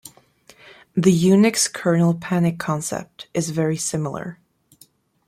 The Unix kernel panic concept is very similar.